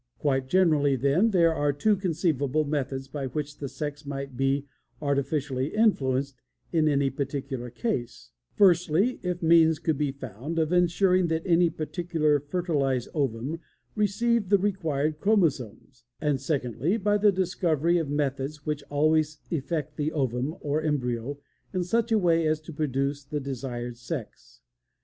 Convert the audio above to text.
"Quite generally, then, there are two conceivable methods by which the sex might be artificially influenced in any particular case; firstly, if means could be found of ensuring that any particular fertilized ovum received the required chromosomes; and, secondly, by the discovery of methods which always effect the ovum or embryo in such a way as to produce the desired sex.